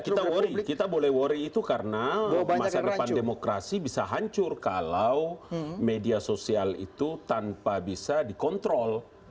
kita worry kita boleh worry itu karena masa depan demokrasi bisa hancur kalau media sosial itu tanpa bisa dikontrol